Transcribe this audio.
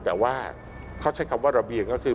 แต่ว่าเขาใช้คำว่าระเบียงก็คือ